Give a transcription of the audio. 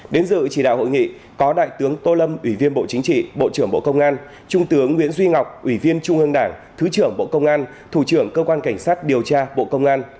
đến dự chỉ đạo hội nghị có đại tướng tô lâm ủy viên bộ chính trị bộ trưởng bộ công an trung tướng nguyễn duy ngọc ủy viên trung ương đảng thứ trưởng bộ công an thủ trưởng cơ quan cảnh sát điều tra bộ công an